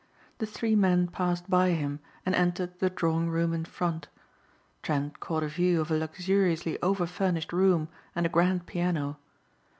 The three men passed by him and entered the drawing room in front. Trent caught a view of a luxuriously overfurnished room and a grand piano.